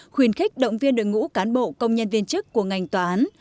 khuyến khích động viên đội ngũ cán bộ công nhân viên chức của ngành tòa án